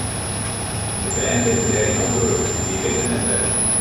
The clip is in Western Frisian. De bern binne dêryn opgroeid en dy witte net better.